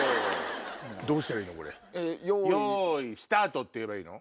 どうしたらいいの？